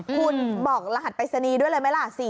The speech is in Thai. คุณบอกรหัสไปรษณีย์ด้วยเลยมั้ยล่ะ